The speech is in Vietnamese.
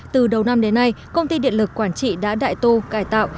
từ đầu năm đến nay công ty điện lực quảng trị đã đại tu cải tạo